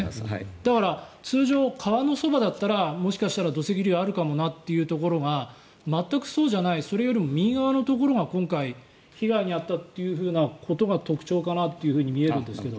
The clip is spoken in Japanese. だから通常の川のそばだったらもしかしたら、土石流があるかもなというところが全くそうじゃないそれよりも右側のところが今回被害に遭ったというところが特徴かなと見れるんですけど。